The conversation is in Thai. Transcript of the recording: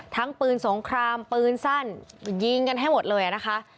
ทั้งปืนสงครามปืนสั้นยิงกันให้หมดเลยนะคะ